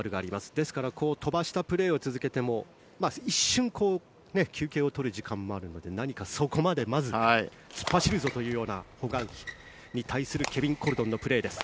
ですから飛ばしたプレーを続けても一瞬、休憩を取る時間もあるので何かそこまでまず、突っ走るぞというようなホ・グァンヒに対するケビン・コルドンのプレーです。